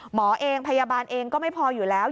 หมอเองพยาบาลเองก็ไม่พออยู่แล้ว